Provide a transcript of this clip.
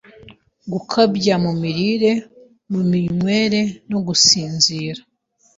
Gukabya mu mirire, mu minywere, mu gusinzira,